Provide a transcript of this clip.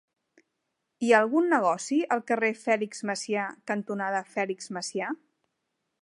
Hi ha algun negoci al carrer Fèlix Macià cantonada Fèlix Macià?